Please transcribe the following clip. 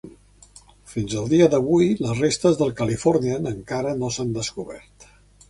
Fins al dia d'avui, les restes del "Californian" encara no s'han descobert.